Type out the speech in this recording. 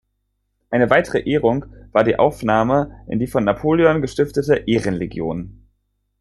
Eine weitere Ehrung war die Aufnahme in die von Napoleon gestiftete Ehrenlegion.